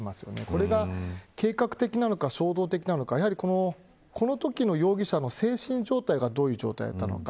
これが計画的なのか衝動的なのかこのときの容疑者の精神状態がどういう状態だったのか。